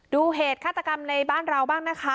เหตุฆาตกรรมในบ้านเราบ้างนะคะ